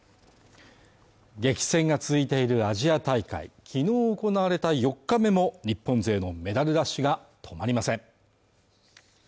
激戦が続いているアジア大会昨日行われた４日目も日本勢のメダルラッシュが止まりません